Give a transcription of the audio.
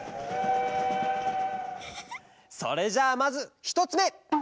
それじゃあまずひとつめ！